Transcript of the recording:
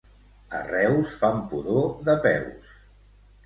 A Reus fan pudor de peus.